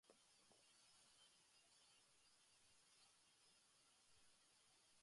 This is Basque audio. Txinako Errepublikan beste hogei bat etnia daude.